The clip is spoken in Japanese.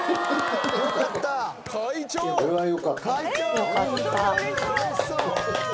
よかった。